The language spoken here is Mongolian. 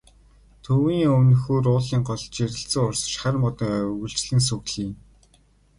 Төвийн өмнөхнүүр уулын гол жирэлзэн урсаж, хар модон ой үргэлжлэн сүглийнэ.